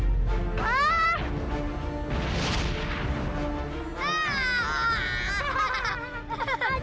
kenapa semuanya berubah jadi kian santang